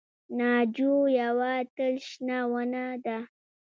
ناجو یوه تل شنه ونه ده